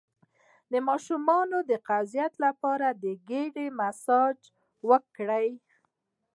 د ماشوم د قبضیت لپاره د ګیډې مساج وکړئ